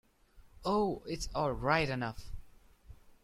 Oh, it's all right enough!